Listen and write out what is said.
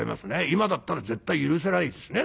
今だったら絶対許せないですね